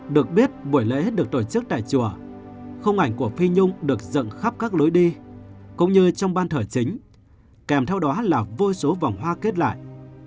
được biết buổi lễ được tổ chức tại chùa không ảnh của phi nhung được dựng khắp các lối đi cũng như trong ban thờ chính kèm theo đó là vô số vòng hoa kết lại